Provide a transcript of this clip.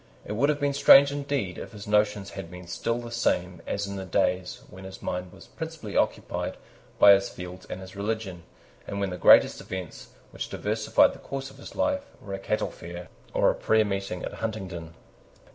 It would have been strange indeed if his notions had been still the same as in the days when his mind was principally occupied by his fields and his religion, and when the greatest events which diversified the course of his life were a cattle fair or a prayer meeting at Huntingdon.